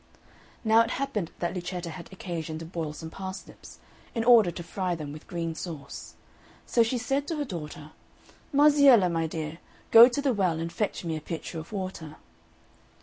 Now it happened that Luceta had occasion to boil some parsnips, in order to fry them with green sauce; so she said to her daughter, "Marziella, my dear, go to the well and fetch me a pitcher of water."